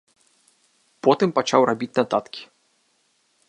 Потым пачаў рабіць нататкі.